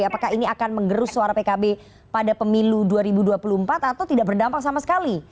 apakah ini akan mengerus suara pkb pada pemilu dua ribu dua puluh empat atau tidak berdampak sama sekali